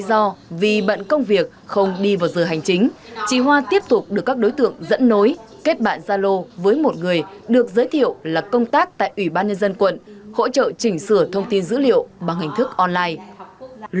vì bận công việc không đi vào giờ hành chính chị hoa tiếp tục được các đối tượng dẫn nối kết bạn gia lô với một người được giới thiệu là công tác tại ủy ban nhân dân quận hỗ trợ chỉnh sửa thông tin dữ liệu bằng hình thức online